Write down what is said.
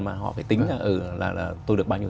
mà họ phải tính là tôi được bao nhiêu